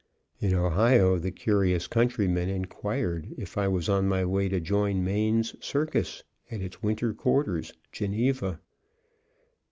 In Ohio, the curious countrymen inquired if I was on my way to join Maine's Circus, at its winter quarters, Geneva.